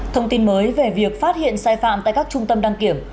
thông tin mới về việc phát hiện sai phạm tại các trung tâm đăng kiểm